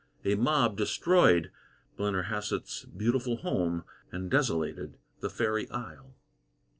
A mob destroyed Blennerhassett's beautiful home and desolated the "fairy isle."